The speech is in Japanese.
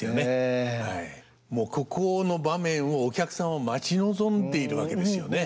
もうここの場面をお客さんは待ち望んでいるわけですよね。